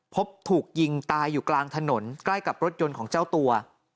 พบถูกยิงตายอยู่กลางถนนใกล้กับรถยนต์ของเจ้าตัว